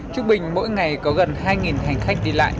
trung bình mỗi ngày có gần hai hành khách đi lại